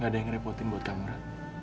gak ada yang ngerepotin buat kamu ra